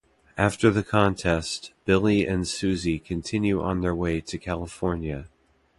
After the contest, Billy and Suzi continue on their way to California.